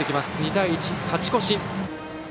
２対１、勝ち越し。